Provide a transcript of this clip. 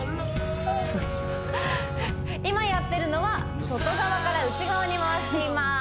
今やってるのは外側から内側に回しています